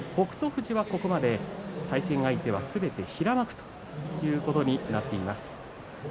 富士はここ、まで対戦相手はすべて平幕ということになっています。